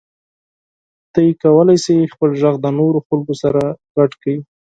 تاسو کولی شئ خپل غږ د نورو خلکو سره شریک کړئ.